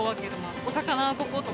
お魚はこことか。